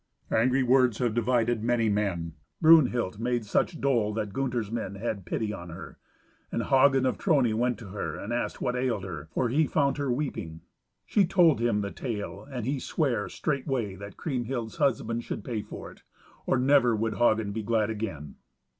Angry words have divided many men. Brunhild made such dole, that Gunther's men had pity on her. And Hagen of Trony went to her and asked what ailed her, for he found her weeping. She told him the tale, and he sware straightway that Kriemhild's husband should pay for it, or never would Hagen be glad again.